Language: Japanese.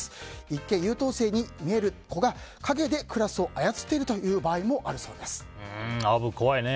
一見、優等生に見える子が陰でクラスを操っているという場合もアブ、怖いね。